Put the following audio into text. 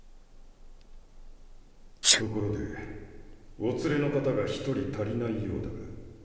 ところでお連れの方が１人足りないようだが？